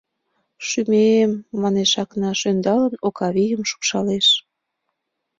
— Шӱмем, — манеш Акнаш, ӧндалын, Окавийым шупшалеш.